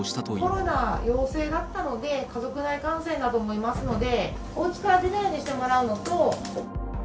コロナ陽性だったので、家族内感染だと思いますので、おうちから出ないようにしてもらうのと。